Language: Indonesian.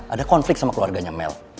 ada konflik sama keluarganya mel